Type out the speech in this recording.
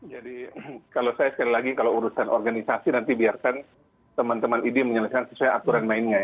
jadi saya sekali lagi kalau urusan organisasi nanti biarkan teman teman ini menyelesaikan sesuai aturan lainnya